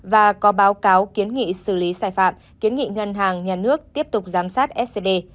và có báo cáo kiến nghị xử lý sai phạm kiến nghị ngân hàng nhà nước tiếp tục giám sát scd